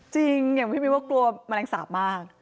จริงอย่างพี่มิวว่ากลัวแมลงสาปมาก